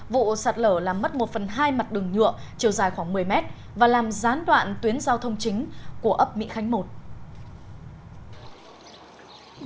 vụ sạt lở làm mất một phần hai mặt đường nhựa chiều dài khoảng một mươi mét và làm gián đoạn tuyến giao thông chính của ấp mỹ khánh một